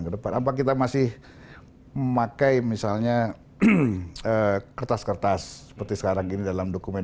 kedepan apa kita masih memakai misalnya kertas kertas seperti sekarang ini dalam dokumen